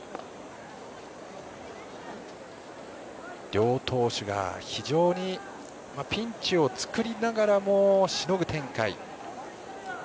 両投手が非常にピンチを作りながらもしのぐ展開。